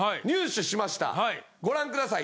ご覧ください